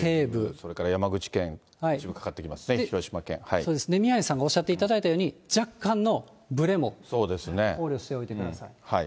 それから山口県、一部かかってきますね、そうですね、宮根さんがおっしゃっていただいたように、若干のぶれも考慮しておいてください。